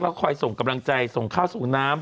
คอยส่งกำลังใจส่งข้าวส่งน้ำ